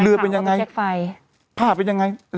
เรือเป็นยังไงภาพเป็นยังไง